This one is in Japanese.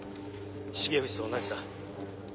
重藤と同じだ。